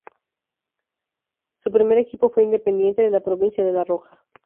Su primer equipo fue Independiente de la provincia de La Rioja.